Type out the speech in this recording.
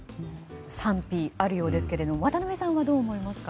賛否あるようですが渡辺さんはどう思いますか？